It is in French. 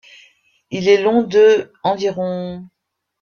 Il est long de environ.